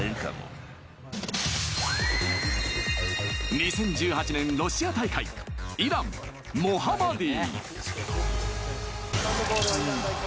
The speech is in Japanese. ２０１８年ロシア大会イラン、モハマディ。